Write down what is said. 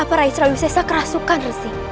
kenapa rai esra wisesa kerasukan resi